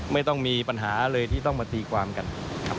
ไม่ต้องมีปัญหาเลยที่ต้องมาตีความกันครับ